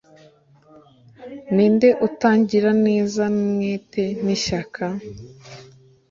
ninde utangira neza n'umwete n'ishyaka